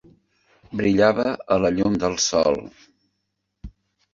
Brillava a la llum del sol.